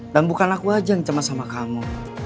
dan bukan aku aja yang cemas sama kamu